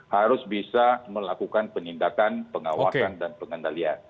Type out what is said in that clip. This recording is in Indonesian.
harus bisa melakukan penindakan pengawasan dan pengendalian